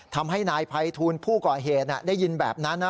ทำให้นายภัยทูลผู้ก่อเหตุได้ยินแบบนั้นนะ